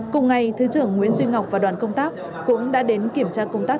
cùng ngày thứ trưởng nguyễn duy ngọc và đoàn công tác cũng đã đến kiểm tra công tác